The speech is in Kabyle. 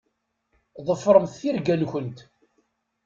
Ḍefṛemt tirga-nkent.